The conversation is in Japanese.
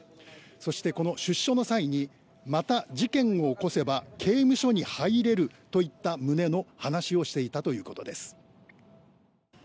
そして、この出所の際にまた事件を起こせば刑務所に入れるといった旨の話をしていたということです。